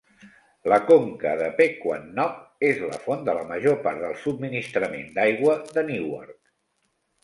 La conca de Pequannock és la font de la major part del subministrament d'aigua de Newark.